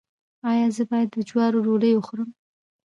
ایا زه باید د جوارو ډوډۍ وخورم؟